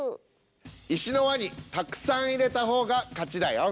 石の輪にたくさん入れた方が勝ちだよ。